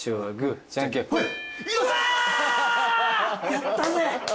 やったぜ！